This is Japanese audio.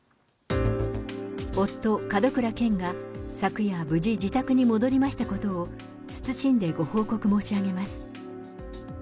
夫、門倉健が昨夜、無事自宅に戻りましたことを、謹んでご報告申し上げます。